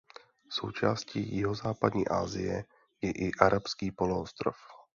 Součástí jihozápadní Asie je i Arabský poloostrov.